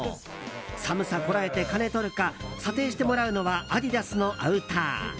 寒さこらえて金とるか査定してもらうのはアディダスのアウター。